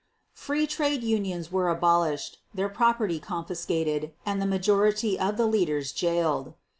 Free trade unions were abolished, their property confiscated, and the majority of the leaders jailed.